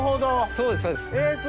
そうですそうです。